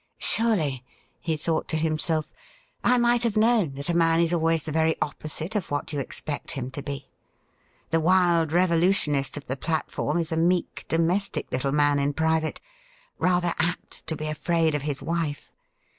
Surely,' he thought to himself, ' I might have known that a man is always the very opposite of what you expect him to be. The wild revolutionist of the platform is a meek, domestic little man in private, rather apt to be afraid of his wife.